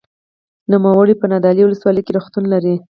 نوموړی په نادعلي ولسوالۍ کې روغتون لري.